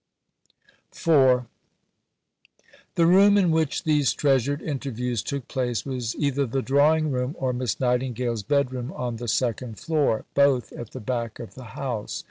IV The room in which these treasured interviews took place was either the drawing room, or Miss Nightingale's bedroom on the second floor both at the back of the house.